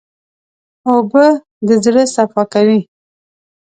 اوبه د زړه صفا کوي.